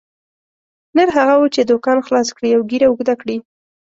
نر هغه وو چې دوکان خلاص کړي او ږیره اوږده کړي.